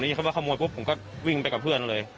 พอผมได้ยินว่าเขาขโมยพวกผมก็วิ่งไปกับเพื่อนเลย